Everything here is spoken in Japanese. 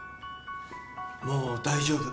もう大丈夫。